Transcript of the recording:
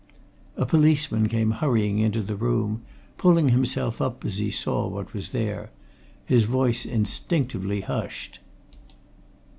A policeman came hurrying into the room, pulling himself up as he saw what was there. His voice instinctively hushed.